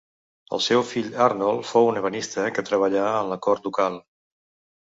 El seu fill Arnold fou un ebenista que treballà en la cort ducal.